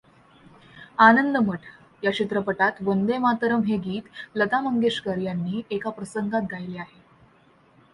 आनंदमठ या चित्रपटात वंदे मातरम् हे गीत लता मंगेशकर यांनी एका प्रसंगात गायिले आहे.